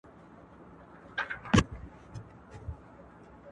ډېرې مېوې د اوړي په موسم کې پخېږي.